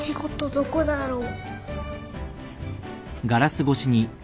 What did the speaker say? どこだろう。